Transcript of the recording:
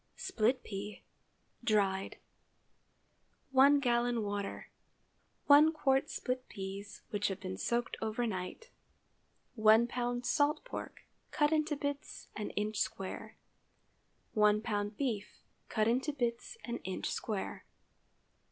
SPLIT PEA (dried). ✠ 1 gallon water. 1 qt. split peas, which have been soaked over night. 1 lb. salt pork, cut into bits an inch square. 1 lb. beef, cut into bits an inch square.